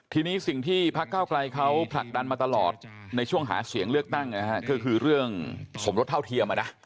ทีนี้สิ่งที่พักเก้าไกลเขาผลักดันมาตลอดในช่วงหาเสียงเลือกตั้งก็คือเรื่องสมรสเท่าเทียม